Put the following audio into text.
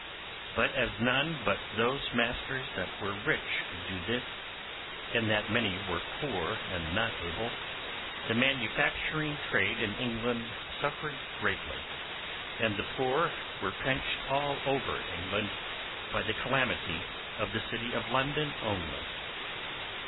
But as none but those masters that were rich could do thus, and that many were poor and not able, the manufacturing trade in England suffered greatly, and the poor were pinched all over England by the calamity of the city of London only.